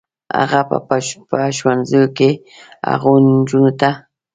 هغه به په ښوونځي کې هغو نجونو ته